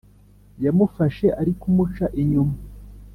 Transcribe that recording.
yamufashe ari kumuca inyuma